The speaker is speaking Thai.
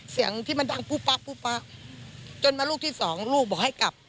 เสียงที่มันดังปุ๊บป๊ะปุ๊บป๊ะจนมาลูกที่สองลูกบอกให้กลับ